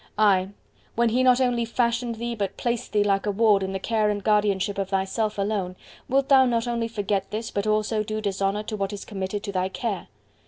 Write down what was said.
Ay, when he not only fashioned thee, but placed thee, like a ward, in the care and guardianship of thyself alone, wilt thou not only forget this, but also do dishonour to what is committed to thy care!